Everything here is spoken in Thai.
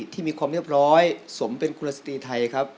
ที่มีความเรียบร้อยสมเป็นคุณละสตรีไทยครับ